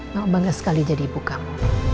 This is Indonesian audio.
mama bangga sekali jadi ibu kamu